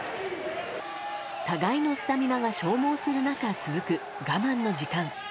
互いのスタミナが消耗する中続く我慢の時間。